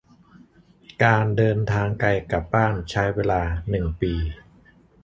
การเดินทางไกลกลับบ้านใช้เวลาหนึ่งปี